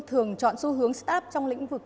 thường chọn xu hướng start up trong lĩnh vực